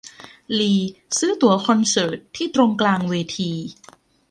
ลีซื้อตั๋วคอนเสิร์ตที่ตรงกลางเวที